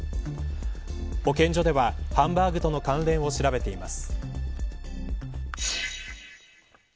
保健所では、ハンバーグとの関連を調べています。